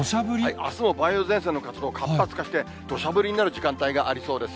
あすも梅雨前線の活動、活発化して、どしゃ降りになる時間帯がありそうです。